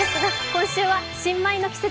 今週は新米の季節